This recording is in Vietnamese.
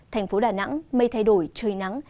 thành phố đà nẵng mây thay đổi trời nắng